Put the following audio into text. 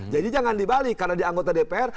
jadi jangan dibalik karena di anggota dpr